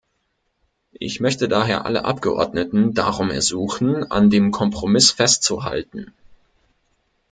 Ich möchte daher alle Abgeordneten darum ersuchen, an dem Kompromiss festzuhalten.